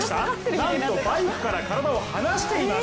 なんとバイクから体を離しています。